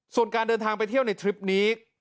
ส่วนการเดินทางไปเที่ยวในทริปนี้